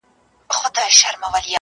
یوه خبره ورته یاده وه له پلاره څخه!